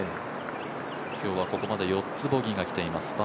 今日はここまで４つボギーで来ています。